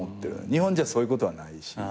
日本じゃそういうことはないし。